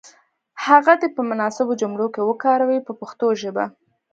هغه دې په مناسبو جملو کې وکاروي په پښتو ژبه.